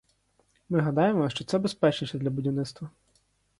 Ми гадаємо, що це безпечніше для будівництва.